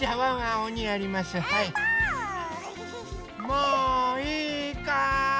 もういいかい？